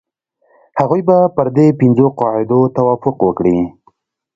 هغوی به پر دې پنځو قاعدو توافق وکړي.